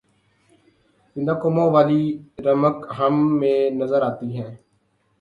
زندہ قوموں والی رمق ہم میں نظر نہیں آتی۔